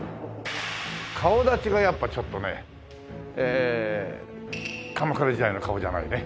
顔立ちがやっぱちょっとね鎌倉時代の顔じゃないね。